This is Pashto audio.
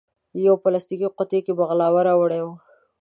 یوه پلاستیکي قوتۍ کې بغلاوه راوړې وه.